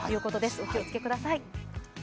お気をつけください。